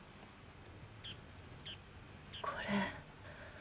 これ。